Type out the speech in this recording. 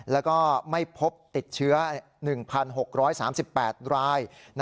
แล้วก็ไม่พบติดเชื้อ๑๖๓๘ราย